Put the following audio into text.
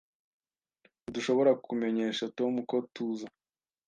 Ntidushobora kumenyesha Tom ko tuza.